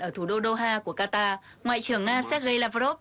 ở thủ đô doha của qatar ngoại trưởng nga sergei lavrov